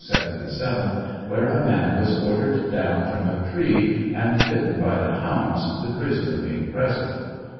277) where a man was ordered down from a tree and bitten by the hounds, the prisoner being present.